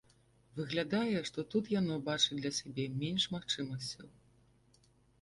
Выглядае, што тут яно бачыць для сябе менш магчымасцяў.